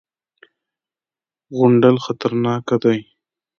_غونډل خطرناکه دی.